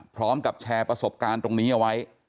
พร้อมกับแชร์ประสบการณ์ตรงนี้เอาไว้